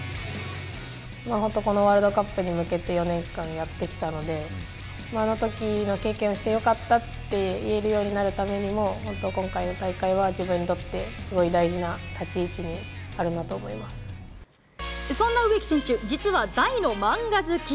本当、このワールドカップに向けて、４年間、やってきたので、あのときの経験をしてよかったと言えるようになるためにも、本当、今回の大会は自分にとってすごい大事な立ち位置にあるなと思いまそんな植木選手、実は大の漫画好き。